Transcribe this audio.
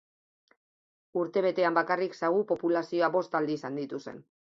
Urtebetean bakarrik sagu-populazioa bost aldiz handitu zen.